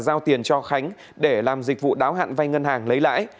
giao tiền cho khánh để làm dịch vụ đáo hạn vay ngân hàng lấy lãi